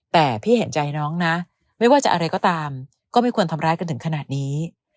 แต่พี่เห็นใจน้องนะไม่ว่าจะอะไรก็ตามก็ไม่ควรทำร้ายกันถึงขนาดนี้